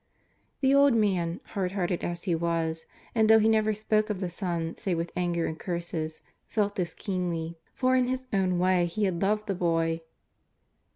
The old man, hard hearted as he was, and though he never spoke of the son save with anger and curses, felt this keenly, for in his own way he had loved the boy.